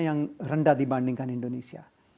yang rendah dibandingkan indonesia